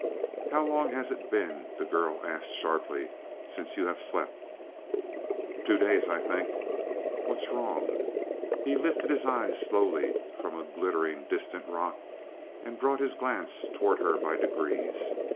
"How long has it been," the girl asked sharply, "since you have slept?" "Two days, I think." "What's wrong?" He lifted his eyes slowly from a glittering, distant rock, and brought his glance toward her by degrees.